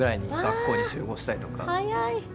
早い！